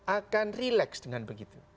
akan relax dengan begitu